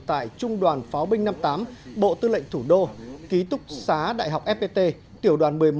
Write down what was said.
tại trung đoàn pháo binh năm mươi tám bộ tư lệnh thủ đô ký túc xá đại học fpt tiểu đoàn một mươi một